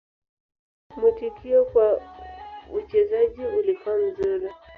Mwitikio kwa uchezaji ulikuwa mzuri.